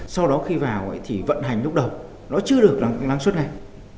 sau đó khi vào thì vận hành lúc đầu nó chưa được lắng suốt ngày